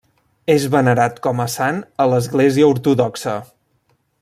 És venerat com a sant a l'Església ortodoxa.